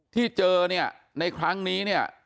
ที่เจอเนี่ยในครั้งนี้เนี่ย